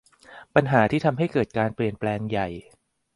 ปัญหาที่ทำให้เกิดการเปลี่ยนแปลงใหญ่